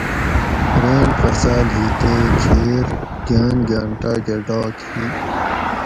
رین فصاۤل ہی تے کھیر گھاۤن گھاۤن ٹاۤکہ ڈاک ہی